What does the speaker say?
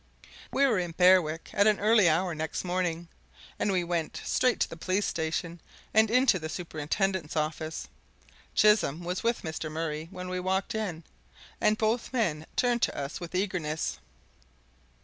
We were in Berwick at an early hour next morning, and we went straight to the police station and into the superintendent's office. Chisholm was with Mr. Murray when we walked in, and both men turned to us with eagerness.